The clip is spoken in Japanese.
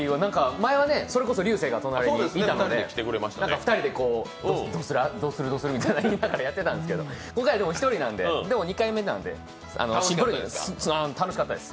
前は流星が隣にいて２人でこう、どうするどうする？って言いながらやってたんですけど今回１人なんで、でも２回目なんで楽しかったです。